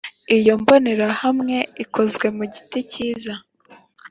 iyi mbonerahamwe ikozwe mu giti cyiza.